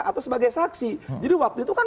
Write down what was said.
atau sebagai saksi jadi waktu itu kan